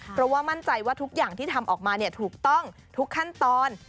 เพราะว่ามั่นใจว่าทุกอย่างที่ทำออกมาถูกต้องทุกขั้นตอน